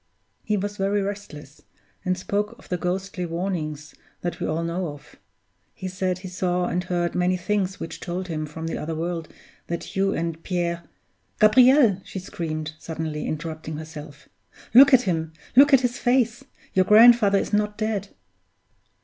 "He was very restless, and spoke of the ghostly warnings that we all know of; he said he saw and heard many things which told him from the other world that you and Pierre Gabriel!" she screamed, suddenly interrupting herself, "look at him! Look at his face! Your grandfather is not dead!"